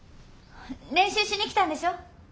練習しに来たんでしょ？